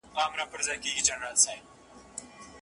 عزت کيدای سي مخامخ د ژبي په واسطه پايمال سي.